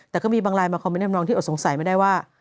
แต่ก็มีบางไลน์มาคอมเมนทำน้องที่อดสงสัยไม่ได้ว่า